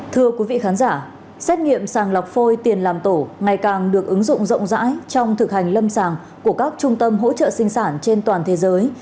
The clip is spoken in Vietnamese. thưa quý vị khán giả xét nghiệm sàng lọc phôi tiền làm tổ ngày càng được ứng dụng rộng rãi trong thực hành lâm sàng của các trung tâm hỗ trợ sinh sản trên toàn thế giới